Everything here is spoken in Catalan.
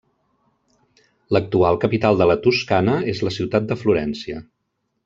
L'actual capital de la Toscana és la ciutat de Florència.